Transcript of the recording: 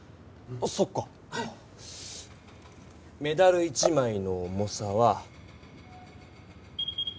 メダル１枚の重さは。